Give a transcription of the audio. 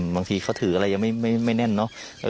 บางทีเขาถืออะไรยังไม่แน่นเนอะ